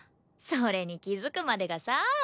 それに気付くまでがさぁ。